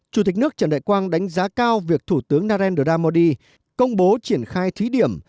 chủ tịch nước trần đại quang đánh giá cao việc thủ tướng narendra modi công bố triển khai thí điểm